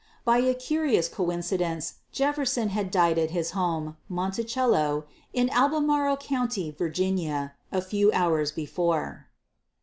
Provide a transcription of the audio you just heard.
But by a curious coincidence, Jefferson had died at his home, Monticello, in Albemarle County, Va., a few hours before.